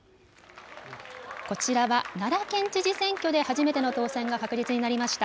こちらは、奈良県知事選挙で初めての当選が確実になりました